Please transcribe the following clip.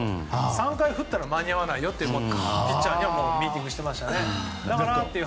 ３回振ったら間に合わないよとピッチャーにはミーティングしてましたね。